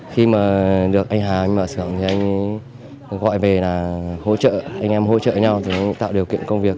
khi mà được anh hà anh mẹ xưởng thì anh gọi về là anh em hỗ trợ nhau tạo điều kiện công việc